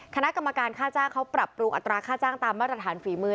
คณะกรรมการค่าจ้างเขาปรับปรุงอัตราค่าจ้างตามมาตรฐานฝีมือ